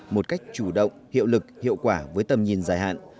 một cách chủ động hiệu lực hiệu quả với tầm nhìn dài hạn